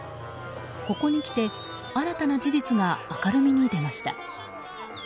ここにきて新たな事実が明るみに出ました。